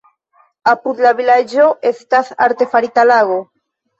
Apud la vilaĝo estas artefarita lago.